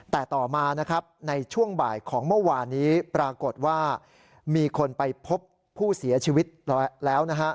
แต่ต่อมานะครับในช่วงบ่ายของเมื่อวานนี้ปรากฏว่ามีคนไปพบผู้เสียชีวิตแล้วนะฮะ